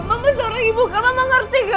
mama seorang ibu kan mama ngerti kan